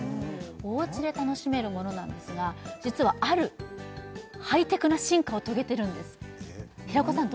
おうちで楽しめるものなんですが実はあるハイテクな進化を遂げてるんです平子さん